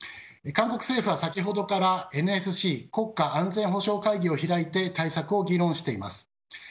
韓国政府は先ほどからＮＳＣ・国家安全保障会議を開いて対策を議論しています。